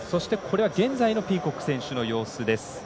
現在のピーコック選手の様子です。